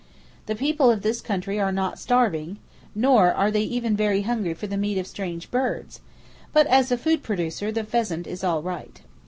The people of this country are not starving, nor are they even very hungry for the meat of strange birds; but as a food producer, the pheasant is all right.